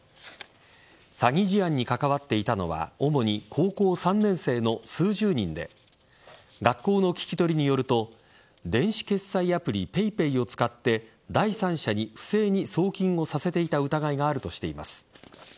詐欺事案に関わっていたのは主に高校３年生の数十人で学校の聞き取りによると電子決済アプリＰａｙＰａｙを使って第三者に不正に送金をさせていた疑いがあるとしています。